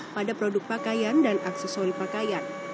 pada produk pakaian dan aksesori pakaian